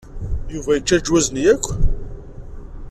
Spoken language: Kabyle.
Yuba yečča leǧwaz-nni akk?